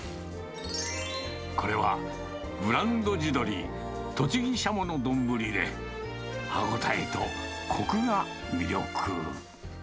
これはブランド地鶏、栃木しゃもの丼で、歯応えとこくが魅力。